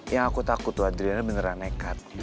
yang aku takut tuh adriana beneran nekat